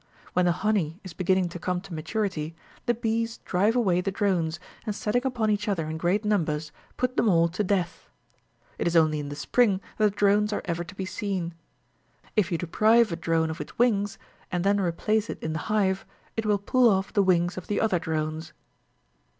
When the honey is beginning to come to maturity, the bees drive away the drones, and setting upon each in great numbers, put them all to death. It is only^in the spring that the drones are ever to be seen. If you deprive a drone of its wings, and then replace it in the hive, it will pull off the wings of the other drones.